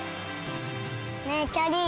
ねえきゃりー